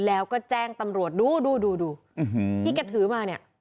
แล้วก็แจ้งตำรวจดูพี่เคยถือมาเนี่ย